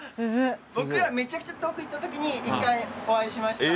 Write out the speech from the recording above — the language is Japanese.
僕はめちゃくちゃ遠く行ったときに１回お会いしました。